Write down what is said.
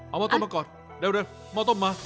เอาห้อต้มมาก่อนเร็วหม้อต้มมา